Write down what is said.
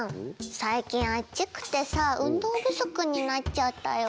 最近あっちくてさ運動不足になっちゃったよ。